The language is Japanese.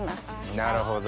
なるほど。